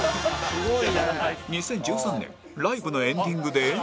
２０１３年ライブのエンディングで